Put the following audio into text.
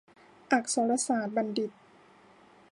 อักษรศาสตรบัณฑิต